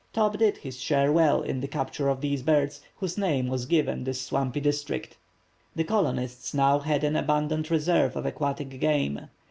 Top did his share well in the capture of these birds, whose name was given this swampy district. The colonists now had an abundant reserve of aquatic game.